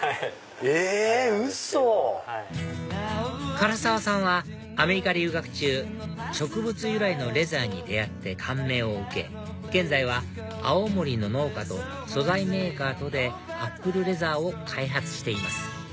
唐沢さんはアメリカ留学中植物由来のレザーに出会って感銘を受け現在は青森の農家と素材メーカーとでアップルレザーを開発しています